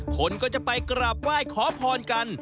คนก็จะไปกราบไหว้ขอพรกัน